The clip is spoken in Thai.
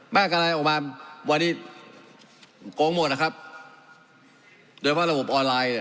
กะไรออกมาวันนี้โกงหมดนะครับโดยเพราะระบบออนไลน์เนี่ย